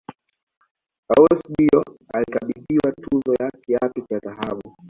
eusebio alikabidhiwa tuzo ya kiatu cha dhahabu